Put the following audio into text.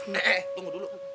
nih tunggu dulu